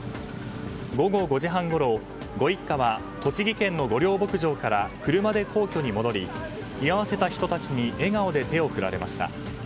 午後５時半ごろ、ご一家は栃木県の御料牧場から車で皇居に戻り居合わせた人たちに笑顔で手を振られました。